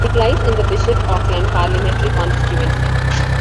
It lies in the Bishop Auckland parliamentary constituency.